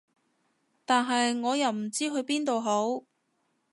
但係我又唔知去邊度好